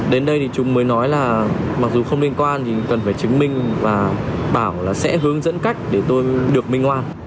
đến đây thì chúng mới nói là mặc dù không liên quan thì cần phải chứng minh và bảo là sẽ hướng dẫn cách để tôi được minh hoan